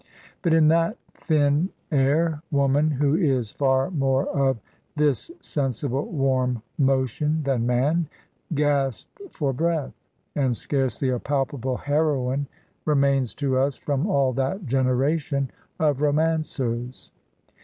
But in that thin air woman, who is far more of "this sensible warm motion" than man, gasped for breath; and scarcely a palpable heroine remains to us from all that generation of romancers.